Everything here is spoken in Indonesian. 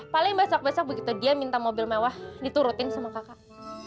paling besok besok begitu dia minta mobil mewah diturutin sama kakak